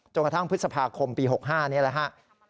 จนกระทั่งพฤษภาคมปี๖๕นี่แหละฮะ